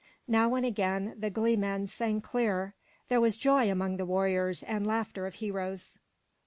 Now and again the glee men sang clear. There was joy among the warriors and laughter of heroes.